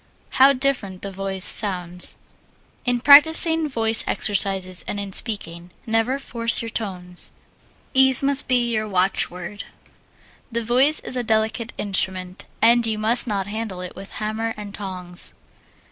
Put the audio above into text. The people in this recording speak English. How different the voice sounds. In practising voice exercises, and in speaking, never force your tones. Ease must be your watchword. The voice is a delicate instrument, and you must not handle it with hammer and tongs.